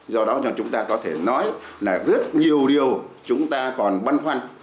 do đó chúng ta có thể nói là rất nhiều điều chúng ta còn băn khoăn